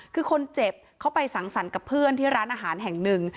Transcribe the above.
คือคนเจ็บเขาไปสังสรรค์กับเพื่อนที่ร้านอาหารแห่งหนึ่ง